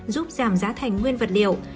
giúp giảm giá thành nguyên vật liệu